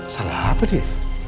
salah apa dia